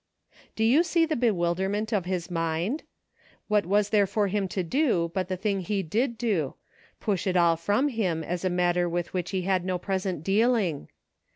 Do you see the bewilderment of his mind } What was there for him to do but the thing he did do — push it all from him as a matter with which he had no present dealing